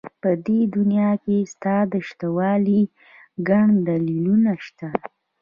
په دې دنيا کې ستا د شتهوالي گڼ دلیلونه شته.